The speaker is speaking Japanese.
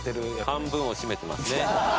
半分を占めてますね。